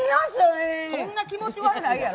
そんな気持ち悪いないやろ！